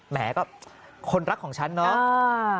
แหมก็คนรักของฉันเนาะ